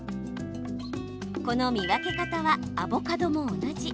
この見分け方はアボカドも同じ。